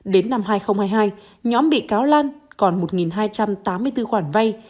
đến năm hai nghìn hai mươi hai nhóm bị cáo lan còn một hai trăm tám mươi bốn khoản vay